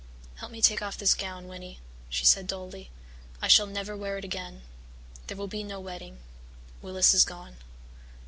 "'Help me take off this gown, Winnie,' she said dully. 'I shall never wear it again. There will be no wedding. Willis is gone.'